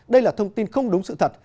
đây là thông tin không đúng sự thật